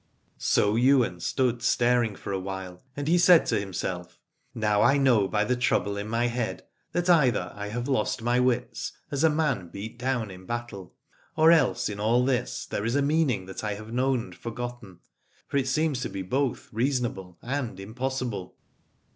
So Ywain stood staring for a while, and he said to himself: Now I know by the trouble in my head that either I have lost my wits, as a man beat down in battle, or else in all this there is a meaning that I have known and forgotten, for it seems to be both reasonable and impossible.